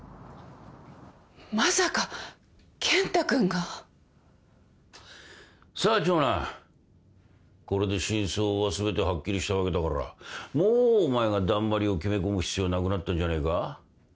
まさか健太君が？さあ長男これで真相は全てはっきりしたわけだからもうお前がだんまりを決めこむ必要なくなったんじゃねえか？